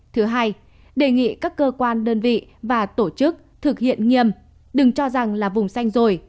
thứ hai đề nghị các cơ quan đơn vị và tổ chức thực hiện nghiêm đừng cho rằng là vùng xanh rồi